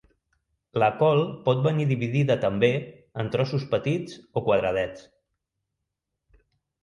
La col pot venir dividida també en trossos petits o quadradets.